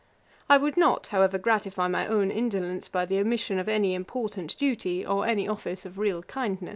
I would not, however, gratify my own indolence by the omission of any important duty, or any office of real kindness.